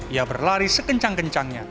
ia berlari sekencang kencangnya